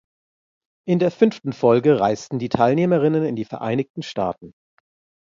In der fünften Folge reisten die Teilnehmerinnen in die Vereinigten Staaten.